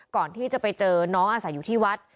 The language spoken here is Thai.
ก่อนที่จะไปเจอน้องอาศัยอยู่ที่วัด